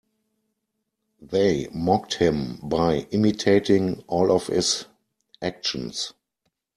They mocked him by imitating all of his actions.